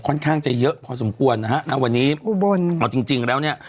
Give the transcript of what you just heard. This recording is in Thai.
ค่อนข้างจะเยอะพอสมควรนะฮะณวันนี้อุบลเอาจริงจริงแล้วเนี้ย